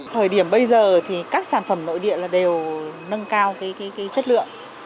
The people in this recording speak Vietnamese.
thời điểm bây giờ thì các sản phẩm nội địa đều nâng cao cái chất lượng